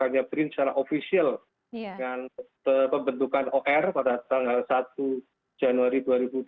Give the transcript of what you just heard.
karena print secara official dengan pembentukan or pada tanggal satu januari dua ribu dua puluh dua